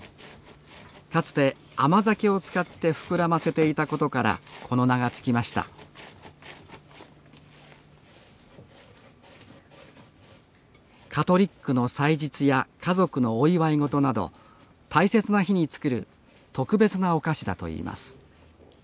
かつて甘酒を使って膨らませていた事からこの名が付きましたカトリックの祭日や家族のお祝い事など大切な日に作る特別なお菓子だと言います